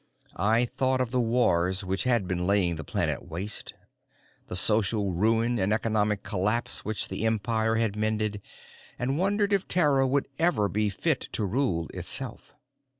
I thought of the wars which had been laying the planet waste, the social ruin and economic collapse which the Empire had mended, and wondered if Terra would ever be fit to rule itself.